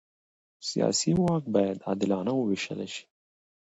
سیاسي واک باید عادلانه ووېشل شي